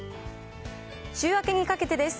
週明けにかけてです。